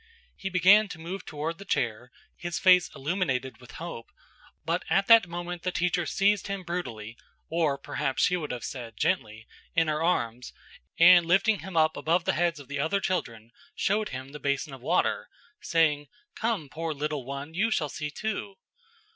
He began to move toward the chair, his face illuminated with hope, but at that moment the teacher seized him brutally (or, perhaps, she would have said, gently) in her arms, and lifting him up above the heads of the other children showed him the basin of water, saying, "Come, poor little one, you shall see too!"